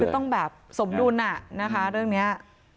คือต้องแบบสมดุลนะคะเรื่องนี้